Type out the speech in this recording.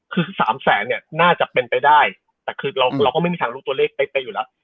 คือ๓แสนเนี่ยน่าจะเป็นไปได้แต่คือเราก็ไม่มีทางรู้ตัวเลขเป๊ะไปอยู่แล้ว